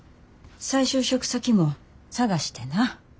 再就職先も探してな。